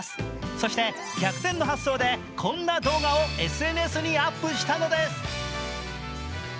そして、逆転の発想でこんな動画をＳＮＳにアップしたのです。